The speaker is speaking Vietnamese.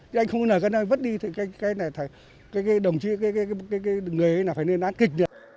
thế anh không có nợ cái này vất đi cái này cái đồng chí cái nghề này phải nên án kịch